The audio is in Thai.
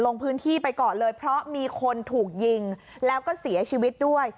ลงพื้นที่ไปก่อนเลยเพราะมีคนถูกยิงแล้วก็เสียชีวิตด้วย